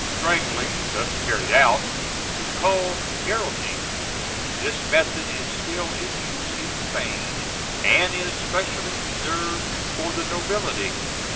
Strangling, thus carried out, was called garotting. This method is still in use in Spain, and is specially reserved for the nobility.